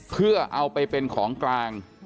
เพื่อเอาไปเป็นของกลาง